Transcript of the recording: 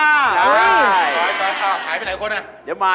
ไปค่ะหายไปไหนคนน่ะ